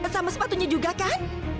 sama sepatunya juga kan